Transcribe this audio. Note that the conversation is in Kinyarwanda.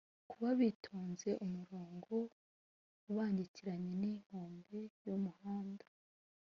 kuba bitonze umurongo ubangikanye n inkombe y umuhanda